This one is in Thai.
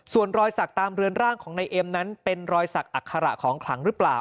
ส่วนรอยสักตามเรือนร่างของนายเอ็มนั้นเป็นรอยสักอัคระของขลังหรือเปล่า